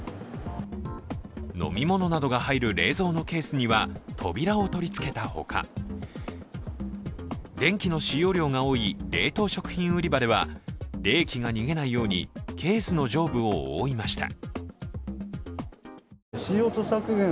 飲み物などが入る冷蔵のケースには扉を取りつけたほか電気の使用量が多い冷凍食品売り場では冷気が逃げないようにケースの上部を覆いました。